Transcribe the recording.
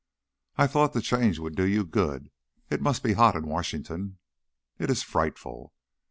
"I thought the change would do you good. It must be hot in Washington." "It is frightful."